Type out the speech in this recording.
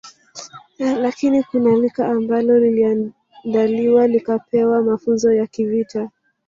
Lakini kuna lika ambalo liliandaliwa likapewa mafunzo ya kivita